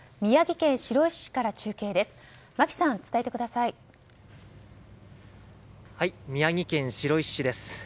宮城県白石市から中継です。